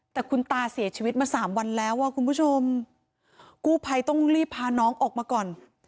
แต่คุณตาเสียชีวิตมาสามวันแล้วอ่ะคุณผู้ชมกู้ภัยต้องรีบพาน้องออกมาก่อน